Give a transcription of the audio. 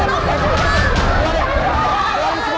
jangan jangan jangan